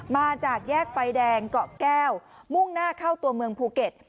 มาจากแยกไฟแดงเกาะแก้วมุ่งหน้าเข้าตัวเมืองภูเก็ต